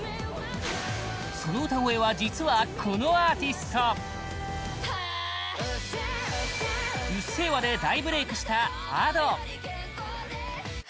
その歌声は実は、このアーティスト「うっせぇわ」で大ブレークした、Ａｄｏ！